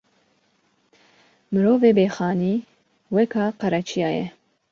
Mirovê bê xanî weka qereçiya ye